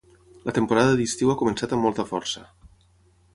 La temporada d'estiu ha començat amb molta força.